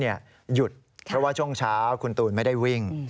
หยุดเพราะว่าช่วงเช้าคุณตูนไม่ได้วิ่ง